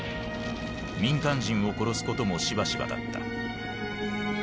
民間人を殺すこともしばしばだった。